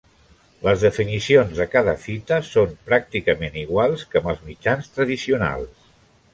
Les definicions de cada fita són pràcticament iguals que amb els mitjans tradicionals.